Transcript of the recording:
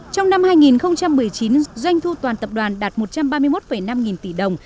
trong năm hai nghìn một mươi chín doanh thu toàn tập đoàn đạt một trăm ba mươi một năm nghìn tỷ đồng